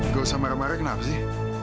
gak usah marah marah kenapa sih